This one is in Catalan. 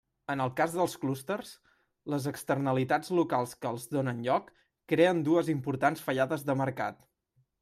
En el cas dels clústers, les externalitats locals que els donen lloc creen dues importants fallades de mercat.